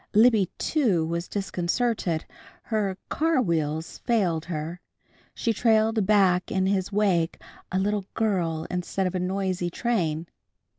Libby, too, was disconcerted. Her car wheels failed her. She trailed back in his wake a little girl, instead of a noisy train.